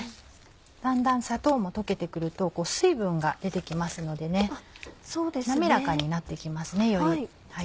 だんだん砂糖も溶けて来ると水分が出て来ますので滑らかになって来ますねより。